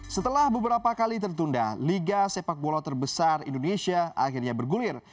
setelah beberapa kali tertunda liga sepak bola terbesar indonesia akhirnya bergulir